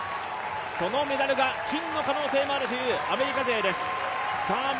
そのメダルが金の可能性もあるというアメリカ勢です。